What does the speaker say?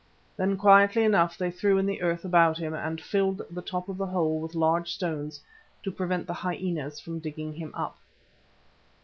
Then quietly enough they threw in the earth about him and filled the top of the hole with large stones to prevent the hyenas from digging him up.